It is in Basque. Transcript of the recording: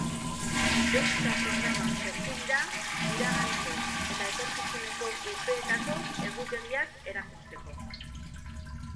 Ehunka programa sortu dira iraganeko eta etorkizuneko urteetako egutegiak erakusteko.